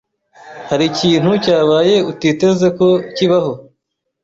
Hari ikintu cyabaye utiteze ko kibaho?